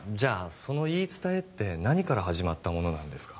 その言い伝えって何から始まったものなんですか？